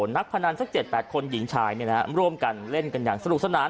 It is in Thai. นักพนันสักเจ็ดแปดคนหญิงชายเนี่ยนะฮะร่วมกันเล่นกันอย่างสนุกสนาน